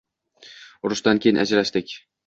Urushdan keyin ajrashdik